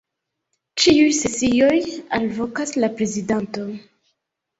Ĉiuj sesioj alvokas la prezidanto.